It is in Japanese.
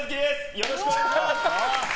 よろしくお願いします。